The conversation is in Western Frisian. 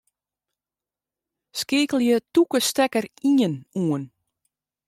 Skeakelje tûke stekker ien oan.